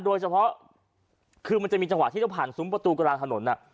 โดยเฉพาะคือมันจะมีจังหวะที่ต้องผ่านซุ้มประตูกลางถนน